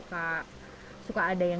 kami bisa beristirahat sejenak